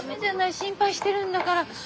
心配してるんだから。